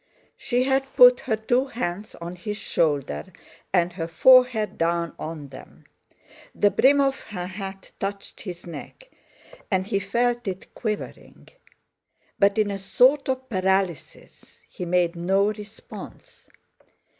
She had put her two hands on his shoulder, and her forehead down on them; the brim of her hat touched his neck, and he felt it quivering. But, in a sort of paralysis, he made no response.